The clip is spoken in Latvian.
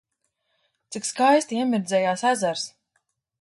Cik skaisti iemirdzējās ezers!